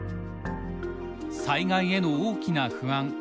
災害への大きな不安。